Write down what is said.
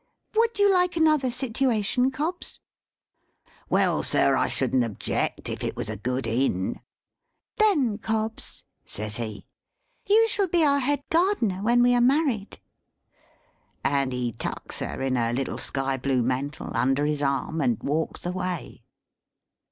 "Would you like another situation, Cobbs?" "Well, sir, I shouldn't object, if it was a good Inn." "Then, Cobbs," says he, "you shall be our Head Gardener when we are married." And he tucks her, in her little sky blue mantle, under his arm, and walks away.